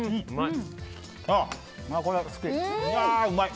うまい！